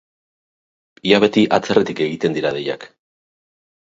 Ia beti atzerritik egiten dira deiak.